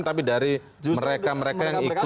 tapi dari mereka mereka yang ikut